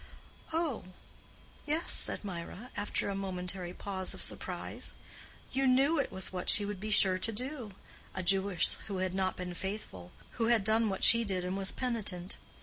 "Oh, yes," said Mirah, after a momentary pause of surprise. "You knew it was what she would be sure to do—a Jewess who had not been faithful—who had done what she did and was penitent.